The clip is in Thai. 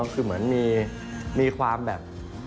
คือเหมือนมีความแบบ